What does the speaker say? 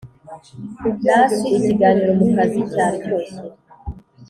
nasi ikiganiro mu kazi cyaryoshye.